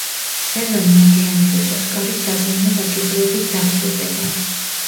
სეზონი მოგვიანებით, „ოსკარით“ საზეიმო დაჯილდოებით დასრულდება.